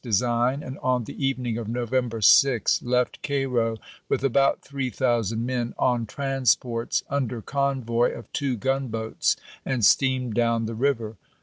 design, and on the evening of November 6 left isei. Cairo with about 3000 men, on transports, under convoy of two gunboats, and steamed down the river.